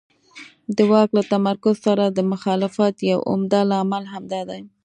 د واک له تمرکز سره د مخالفت یو عمده لامل همدا دی.